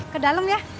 ke dalem ya